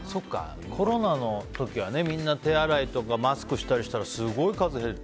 コロナの時は、みんな手洗いとかマスクしたりしたらすごい数減って。